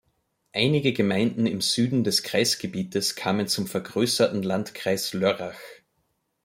Einige Gemeinden im Süden des Kreisgebiets kamen zum vergrößerten Landkreis Lörrach.